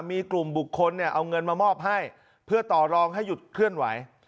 มีกลุ่มบุคคลเนี่ยเอาเงินมามอบให้เพื่อต่อรองให้หยุดเคลื่อนไหว